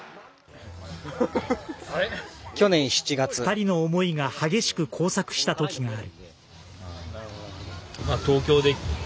２人の思いが激しく交錯したときがある。